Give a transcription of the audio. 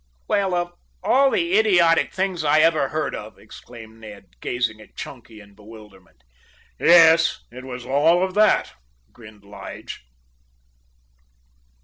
"Well of all the idiotic things I ever heard of!" exclaimed Ned, gazing at Chunky in bewilderment. "Yes; it was all of that," grinned Lige.